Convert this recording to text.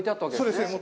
そうですね。